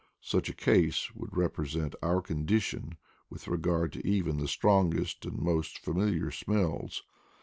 Such a case would represent our condition with regard to even the strongest and most familiar smells.